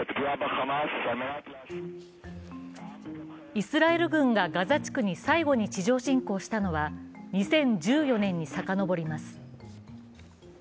イスラエル軍がガザ地区に最後に地上侵攻したのは２０１４年にさかのぼります。